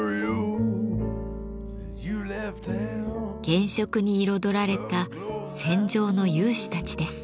原色に彩られた戦場の勇士たちです。